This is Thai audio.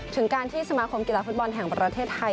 ถึงการที่สมาคมกีฬาฟุตบอลแห่งประเทศไทย